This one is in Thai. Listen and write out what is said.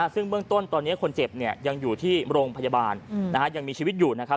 ซึ่งเบื้องต้นตอนนี้คนเจ็บยังอยู่ที่โรงพยาบาลยังมีชีวิตอยู่นะครับ